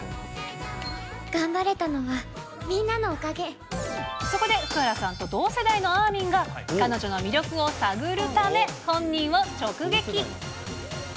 頑張れたのは、みんなのおかそこで福原さんと同世代のあーみんが彼女の魅力を探るため、本人を直撃。